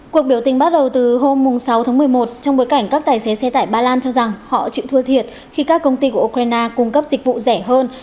cuộc biểu tình bắt đầu từ hôm sáu tháng một mươi một trong bối cảnh các tài xế xe tải ba lan cho rằng họ chịu thua thiệt khi các công ty của ukraine cung cấp dịch vụ rẻ hơn